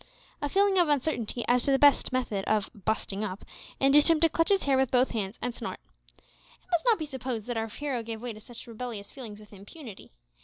A feeling of uncertainty as to the best method of "busting up" induced him to clutch his hair with both hands, and snort. It must not be supposed that our hero gave way to such rebellious feelings with impunity.